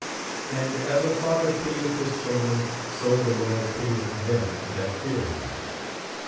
"And as a father pitieth his children, so the Lord pitieth them that fear him.''